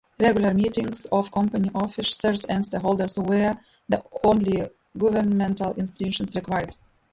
Regular meetings of company officers and stockholders were the only governmental institutions required.